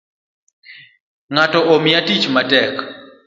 Ngato Omiya tich matek